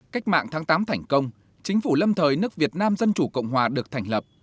cách mạng tháng tám thành công chính phủ lâm thời nước việt nam dân chủ cộng hòa được thành lập